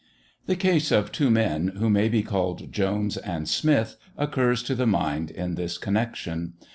The case of two men, who may be called Jones and Smith, occurs to the mind in this connection.